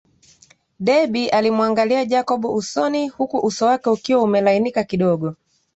Debby alimuangalia Jacob usoni huku uso wake ukiwa umelainika kidogo